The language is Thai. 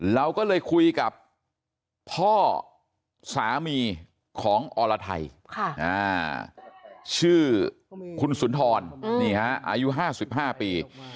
เราก็เลยคุยกับพ่อสามีของอรไทยชื่อคุณสุนทรอายุ๕๕ปี